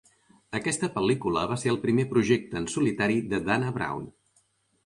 Aquesta pel·lícula va ser el primer projecte en solitari de Dana Brown.